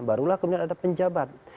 barulah kemudian ada penjabat